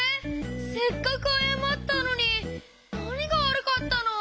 せっかくあやまったのになにがわるかったの？